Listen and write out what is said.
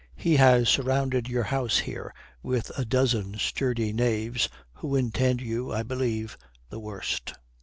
He has surrounded your house here with a dozen sturdy knaves who intend you, I believe, the worst."